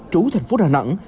trú thành phố đà nẵng